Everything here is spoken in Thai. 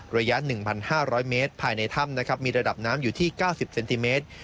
ระยะ๑๕๐๐เมตรภายในถ้ำนะครับมีระดับน้ำอยู่ที่๙๐เซนติเมตร